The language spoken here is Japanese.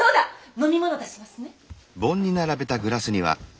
飲み物出しますね。